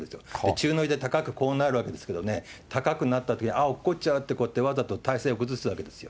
宙乗りで高くこうなるわけですけどね、高くなったとき、ああ、おっこっちゃうってわざと体勢を崩すわけですよ。